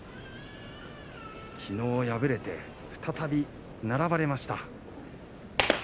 きのう敗れて再び並ばれました。